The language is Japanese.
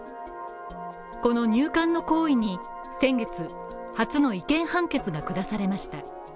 この入管の行為に先月初の違憲判決が下されました。